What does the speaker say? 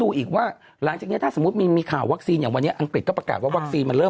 ดูอีกว่าราชิกันถ้าสมมุติมีข่าววัคซีนอย่างวันนี้อังกฤษประกาศว่าวัคซีนมัน